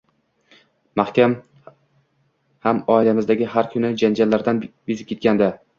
Mahkam ham oilamizdagi har kungi janjallardan bezib ketgandi